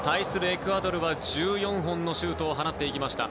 エクアドルは１４本のシュートを放っていきました。